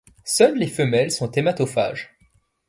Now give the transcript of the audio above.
Seules les femelles sont hématophages.